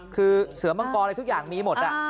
คือเสือมังกรอะไรทุกอย่างมีหมด